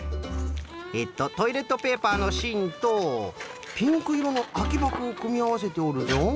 えっとトイレットペーパーのしんとピンクいろのあきばこをくみあわせておるぞ。